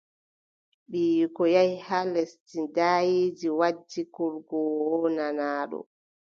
Ɓiyiiko yahi lesdi daayiindi waddi kurgoowo nanaaɗo.